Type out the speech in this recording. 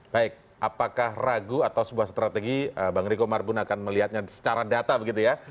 baik apakah ragu atau sebuah strategi bang riko marbun akan melihatnya secara data begitu ya